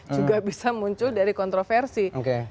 juga bisa muncul dari kontroversi